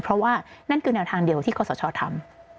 เพราะว่านั่นก็แนวทางเดียวที่กฎศชอธรรม